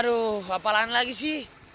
aduh apa lahan lagi sih